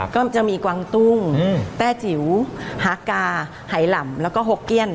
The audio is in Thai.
ก็จะมีกวางตุ้งแต้จิ๋วฮากาไหล่ำแล้วก็หกเกี้ยน